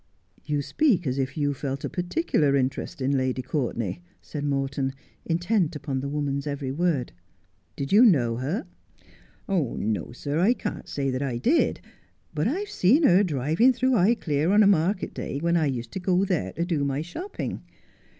' You speak as if you felt a particular interest in Lady Courtenay,' said Morton, intent upon the woman's every word. ' Did you know her 1 '' No, sir, I can't say that I did ; but I've seen her driving through Highclere on a market day when I used to go there to do my shopping.